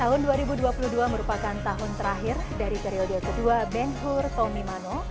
tahun dua ribu dua puluh dua merupakan tahun terakhir dari periode kedua ben hur tommy mano